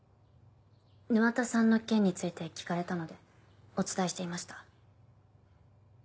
沼田さんの件について聞かれたのでお伝えしていました。